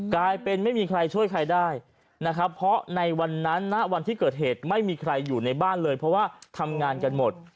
กลายเป็นไม่มีใครช่วยใครได้นะครับเพราะในวันนั้นณวันที่เกิดเหตุไม่มีใครอยู่ในบ้านเลยเพราะว่าทำงานกันหมด